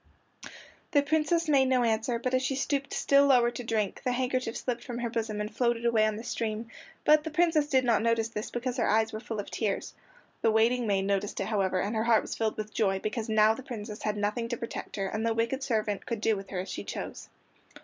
The Princess made no answer, but as she stooped still lower to drink the handkerchief slipped from her bosom and floated away on the stream, but the Princess did not notice this because her eyes were full of tears. The waiting maid noticed it, however, and her heart was filled with joy, because now the Princess had nothing to protect her, and the wicked servant could do with her as she chose.